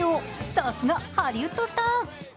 さすが、ハリウッドスター。